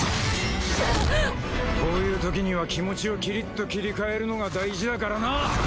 こういうときには気持ちをキリッと切り替えるのが大事だからな！